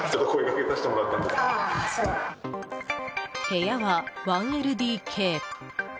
部屋は１ＬＤＫ。